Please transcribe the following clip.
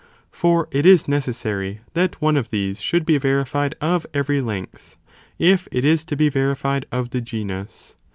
for it is necessary that one of these should be verified of every length, if it is to be veri fied of the genus.